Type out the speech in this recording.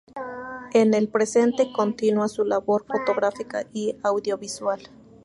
En el presente continúa su labor fotográfica y audiovisual.